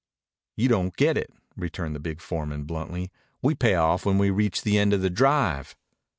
"You don't get it," returned the big foreman bluntly. "We pay off when we reach the end of the drive."